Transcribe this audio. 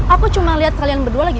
aku cuma lihat kalian berdua lagi